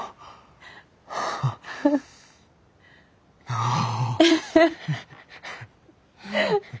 ああ。